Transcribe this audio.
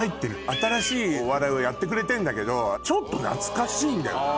新しいお笑いをやってくれてんだけどちょっと懐かしいんだよね。